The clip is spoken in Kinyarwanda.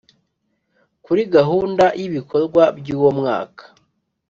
kuri gahunda y ibikorwa y uwo mwaka